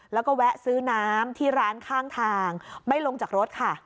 แล้วก็แวะซื้อน้ำที่ร้านข้างทางไม่ลงจากรถค่ะ